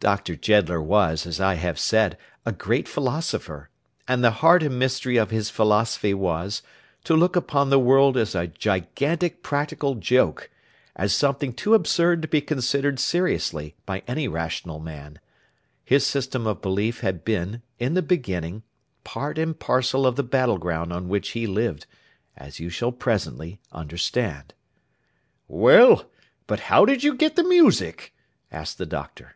Doctor Jeddler was, as I have said, a great philosopher, and the heart and mystery of his philosophy was, to look upon the world as a gigantic practical joke; as something too absurd to be considered seriously, by any rational man. His system of belief had been, in the beginning, part and parcel of the battle ground on which he lived, as you shall presently understand. 'Well! But how did you get the music?' asked the Doctor.